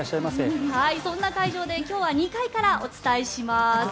そんな会場で今日は２階からお伝えします。